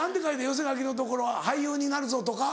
寄せ書きのところは「俳優になるぞ」とか？